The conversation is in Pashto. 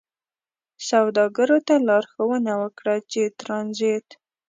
سوداګرو ته لارښوونه وکړه چې ترانزیت